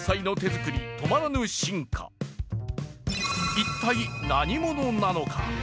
一体、何者なのか？